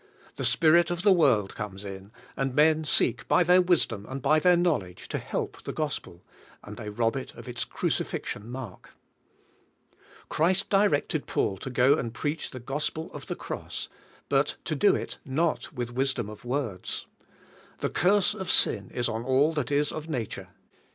The Spirit of the world comes in, and men seek by their wisdom, and by their knowledge, to help the Gospel, and they rob it of its crucifixion mark. Christ directed Paul to go and preach the Gospel of the cross, but to do it not wath wisdom of words. The curse of sin is on all that is of nature.